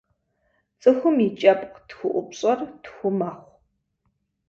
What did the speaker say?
Цӏыхум и кӏэпкъ тхыӏупщэр тху мэхъу.